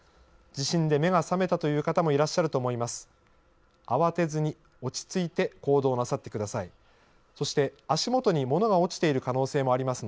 地震で目が覚めたという方もいらっしゃると思います。